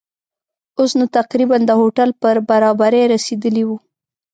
اوس نو تقریباً د هوټل پر برابري رسېدلي وو.